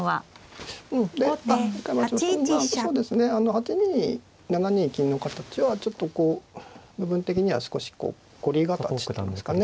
８二飛７二金の形はちょっとこう部分的には少しこう凝り形っていうんですかね